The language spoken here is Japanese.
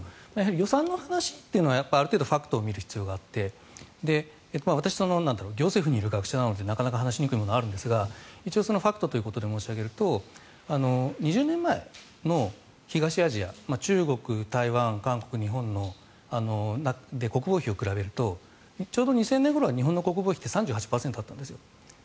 予算の話というのはある程度ファクトを見る必要があって私、行政府にいる学者なのでなかなか話しにくいものでもあるんですが一応ファクトということで申し上げると２０年前の東アジア中国、台湾、韓国、日本で国防費を比べるとちょうど２０００年ごろは日本の国防費って３８％だったんですよ。